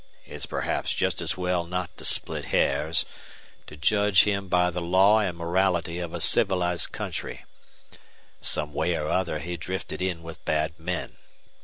It's perhaps just as well not to split hairs, to judge him by the law and morality of a civilized country. Some way or other he drifted in with bad men.